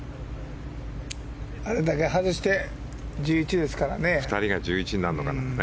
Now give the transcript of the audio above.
あれだけ外して１１ですからね。